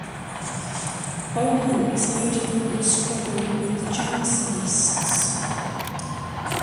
Beaumont is noted for his struggle with the Jansenists.